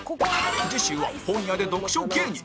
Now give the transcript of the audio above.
次週は本屋で読書芸人